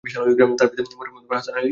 তার পিতা মরহুম হাসান আলী সরকার।